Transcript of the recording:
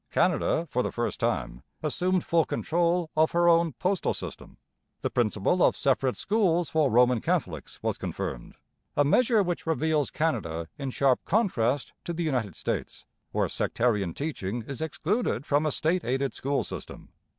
Canada for the first time assumed full control of her own postal system. The principle of separate schools for Roman Catholics was confirmed, a measure which reveals Canada in sharp contrast to the United States, where sectarian teaching is excluded from a state aided school system.